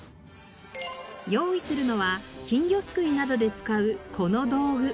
用意するのは金魚すくいなどで使うこの道具。